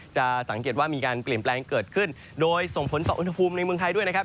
จะสังเกตว่ามีการเปลี่ยนแปลงเกิดขึ้นโดยส่งผลต่ออุณหภูมิในเมืองไทยด้วยนะครับ